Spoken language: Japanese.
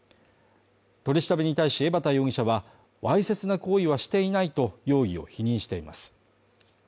取り調べに対し江畑容疑者はわいせつな行為はしていないと容疑を否認しています。